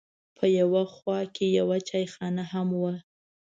په یوه خوا کې یوه چایخانه هم وه.